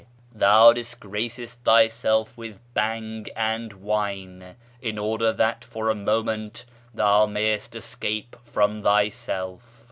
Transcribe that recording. " Thou tlisL^racest tliypi'lf with hawj and wine In order that for a inonieut thou niayest escape from thyself."